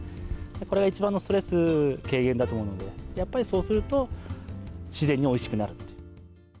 これが一番のストレス軽減だと思うので、やっぱりそうすると、自然においしくなる。